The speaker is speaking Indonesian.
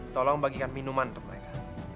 tolong bagikan minuman untuk mereka